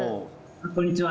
こんにちは。